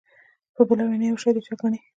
په بله وینا یو شی د چا ګڼي.